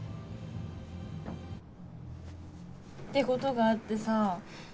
ってことがあってさ